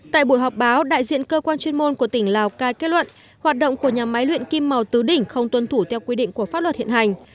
tại buổi họp báo đại diện cơ quan chuyên môn của tỉnh lào cai kết luận hoạt động của nhà máy luyện kim màu tứ đỉnh không tuân thủ theo quy định của pháp luật hiện hành